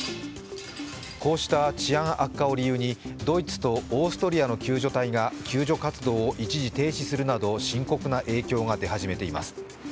こうした治安悪化を理由にドイツとオーストリアの救助隊が救助活動を一時停止するなど深刻な影響が出始めています。